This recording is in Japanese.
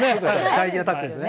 大事なタッグですね。